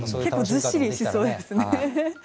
ずっしりしそうですね。